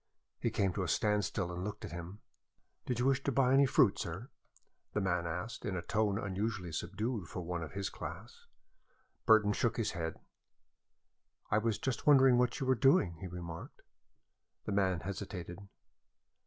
He came to a standstill and looked at him. "Did you wish to buy any fruit, sir?" the man asked, in a tone unusually subdued for one of his class. Burton shook his head. "I was just wondering what you were doing," he remarked. The man hesitated.